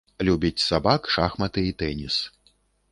Любіць сабак, шахматы і тэніс.